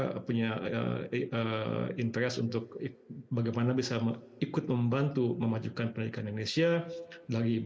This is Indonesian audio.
kita punya interest untuk bagaimana bisa ikut membantu memajukan pendidikan indonesia